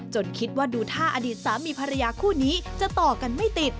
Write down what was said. คิดว่าดูท่าอดีตสามีภรรยาคู่นี้จะต่อกันไม่ติด